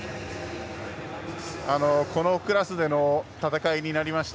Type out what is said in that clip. このクラスでの戦いになりました。